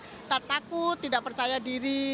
tetap takut tidak percaya diri